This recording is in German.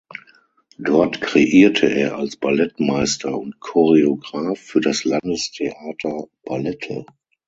Dort kreierte er als Ballettmeister und Choreograf für das Landestheater Ballette.